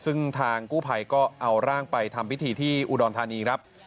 ซึ่งทางกู้ภัยก็เอาร่างไปทำพิธีที่อุดรธานีครับ